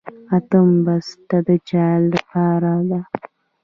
اتم بست د چا لپاره دی؟